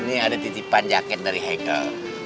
ini ada titipan jaket dari hegel